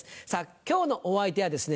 今日のお相手はですね